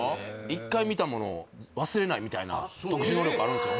一回見たものを忘れないみたいな特殊能力あるんですよ